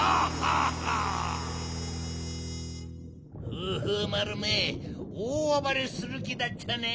フーフーまるめおおあばれするきだっちゃね。